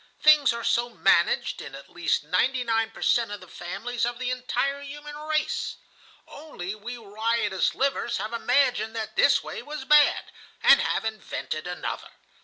Things are so managed in at least ninety nine per cent. of the families of the entire human race. "Only we riotous livers have imagined that this way was bad, and have invented another.